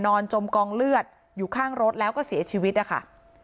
จมกองเลือดอยู่ข้างรถแล้วก็เสียชีวิตนะคะ